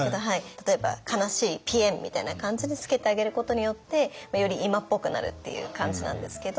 例えば「悲しいぴえん」みたいな感じでつけてあげることによってより今っぽくなるっていう感じなんですけど。